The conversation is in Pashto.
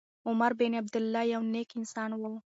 عمر بن عبیدالله یو نېک انسان و.